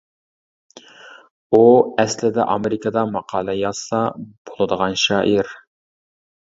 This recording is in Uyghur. ئۇ ئەسلىدە ئامېرىكىدا ماقالە يازسا بولىدىغان شائىر.